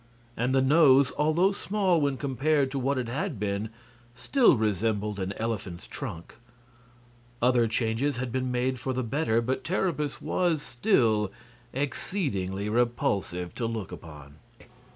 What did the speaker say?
And the nose, although small when compared to what it had been, still resembled an elephant's trunk. Other changes had been made for the better, but Terribus was still exceedingly repulsive to look upon.